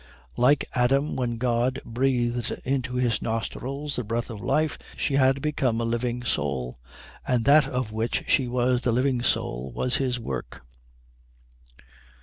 Like Adam when God breathed into his nostrils the breath of life, she had become a living soul, and that of which she was the living soul was his work.